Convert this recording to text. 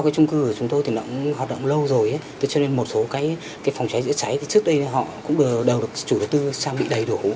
do trung cư của chúng tôi thì nó cũng hoạt động lâu rồi cho nên một số phòng cháy giữa cháy trước đây họ cũng đều được chủ đầu tư trang bị đầy đủ